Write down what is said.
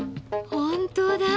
本当だ。